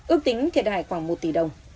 ước tính thiệt hại khoảng một tỷ đồng